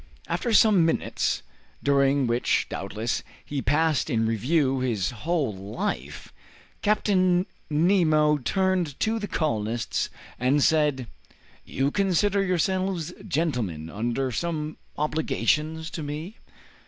After some minutes, during which, doubtless, he passed in review his whole life, Captain Nemo turned to the colonists and said, "You consider yourselves, gentlemen, under some obligations to me?"